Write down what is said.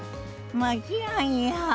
もちろんよ。